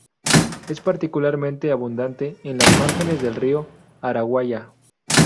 Es particularmente abundante en las márgenes del río Araguaia.